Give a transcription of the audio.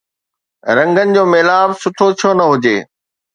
رنگن جو ميلاپ سٺو ڇو نه هجي؟